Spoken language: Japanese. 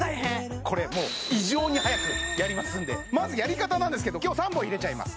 もう異常に速くやりますんでまずやり方なんですけど今日は３本入れちゃいます